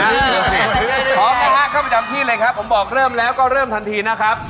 พร้อมนะฮะเข้าประจำที่เลยครับผมบอกเริ่มแล้วก็เริ่มทันทีนะครับ